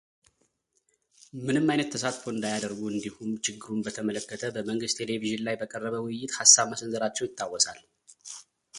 ምንም አይነት ተሳትፎ እንዳያደርጉ እንዲሁም ችግሩን በተመለከተ በመንግሥት ቴሌቪዥን ላይ በቀረበ ውይይት ሃሳብ መሰንዘራቸው ይታወሳል።